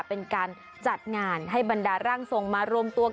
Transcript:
เป็นการจัดงานให้บรรดาร่างทรงมารวมตัวกัน